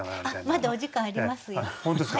まだお時間ありますよ。